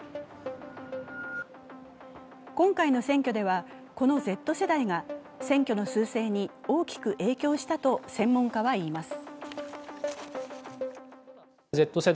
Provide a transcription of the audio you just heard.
今回の選挙では、このＺ世代が選挙のすう勢に大きく影響したと専門家はいいます。